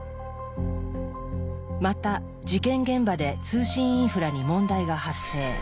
また事件現場で通信インフラに問題が発生。